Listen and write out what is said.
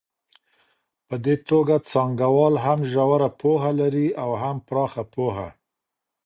په دې توګه څانګوال هم ژوره پوهه لري او هم پراخه پوهه.